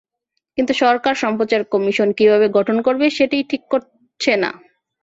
কিন্তু সরকার সম্প্রচার কমিশন কীভাবে গঠন করবে, সেটিই ঠিক করছে না।